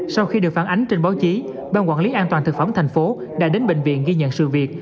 sau khi được phản ánh trên báo chí ban quản lý an toàn thực phẩm thành phố đã đến bệnh viện ghi nhận sự việc